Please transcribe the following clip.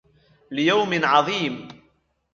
لِيَوْمٍ عَظِيمٍ